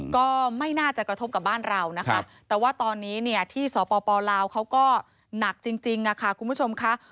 ก็ไม่น่าจะกระทบกับบ้านเรานะคะแต่ว่าตอนนี้เนี่ยที่สปลาวเขาก็หนักจริงค่ะคุณผู้ชมค่ะ